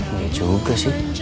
iya juga sih